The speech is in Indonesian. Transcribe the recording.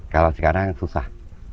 kalau sekarang susah